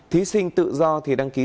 thí sinh tự do thì đăng ký